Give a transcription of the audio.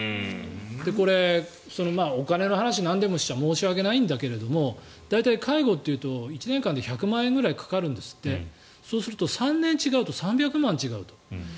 これ、お金の話をなんでもしちゃ申し訳ないんだけど大体、介護というと１年間で１００万円ぐらいかかるんですってそうすると、３年違うと３００万円違うと。